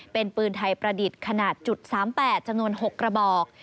เป็นปืนไทยประดิษฐ์ขนาด๓๘จำนวน๖กระบอก